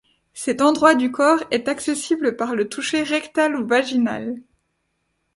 Cet endroit du corps est accessible par le toucher rectal ou vaginal.